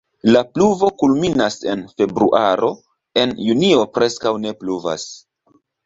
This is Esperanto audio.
La pluvo kulminas en februaro, en junio preskaŭ ne pluvas.